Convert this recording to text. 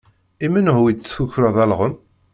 I menhu i d-tukreḍ alɣem?